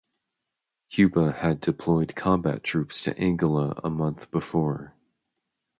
Cuba had deployed combat troops to Angola a month before.